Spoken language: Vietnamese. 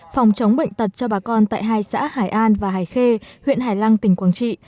phòng chống bệnh tật cho bà con tại hai xã hải an và hải khê huyện hải lăng tỉnh quảng trị